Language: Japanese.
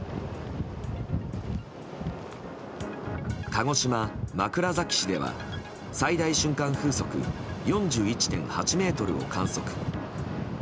鹿児島・枕崎市では最大瞬間風速４１．８メートルを観測。